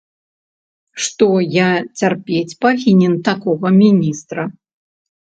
Што я цярпець павінен такога міністра?